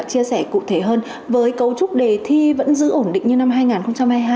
chia sẻ cụ thể hơn với cấu trúc đề thi vẫn giữ ổn định như năm hai nghìn hai mươi hai